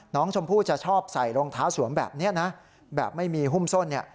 น้องชมพู่จะชอบใส่รองเท้าสวมแบบนี้นะแบบไม่มีหุ้มส้นเนี่ย